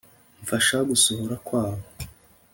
mfasha gusohora kwabo